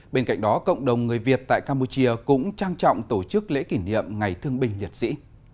bên cạnh đó cộng đồng người việt tại campuchia cũng trang trọng tổ chức lễ kỷ niệm ngày thương binh liệt sĩ